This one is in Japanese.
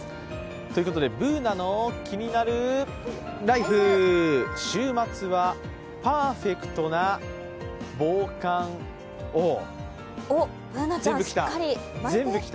ということで「ＢｏｏｎａのキニナルＬＩＦＥ」週末はパーフェクトな防寒を全部着た？